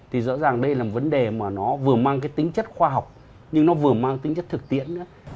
thì rõ ràng đây là một vấn đề mà nó vừa mang cái tính chất khoa học nhưng nó vừa mang tính chất thực tiễn nữa